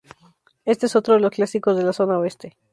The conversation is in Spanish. Este es otro de los clásicos de la zona oeste.